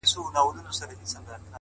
چي فتوا و میکدو ته په تلو راوړي-